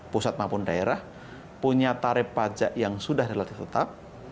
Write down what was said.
pusat maupun daerah punya tarif pajak yang sudah relatif tetap